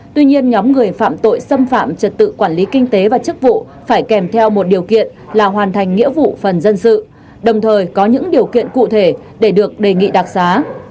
tuy nhiên nhóm người phạm tội xâm phạm trật tự quản lý kinh tế và chức vụ phải kèm theo một điều kiện là hoàn thành nghĩa vụ phần dân sự đồng thời có những điều kiện cụ thể để được đề nghị đặc xá